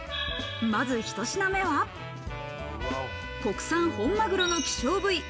まず、ひと品目は国産本マグロの希少部位。